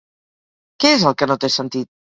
Què és el que no té sentit?